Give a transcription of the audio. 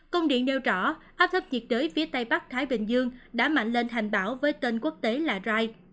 công điện nêu rõ áp thấp nhiệt đới phía tây bắc thái bình dương đã mạnh lên hành bão với tên quốc tế là rai